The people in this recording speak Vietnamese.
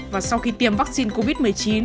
và sau khi tiêm vắc xin covid một mươi chín